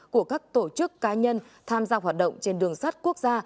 của các tổ chức cá nhân tham gia hoạt động trên đường sắt quốc gia